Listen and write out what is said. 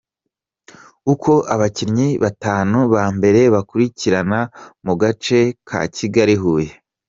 Uko abakinnyi batanu ba mbere bakurikirana mu gace ka Kigali-Huye: